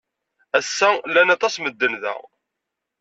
Ass-a, llan aṭas n medden da.